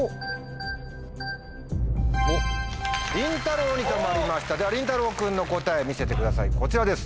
りんたろうに止まりましたではりんたろう君の答え見せてくださいこちらです。